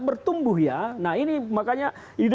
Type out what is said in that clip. bertumbuh ya nah ini makanya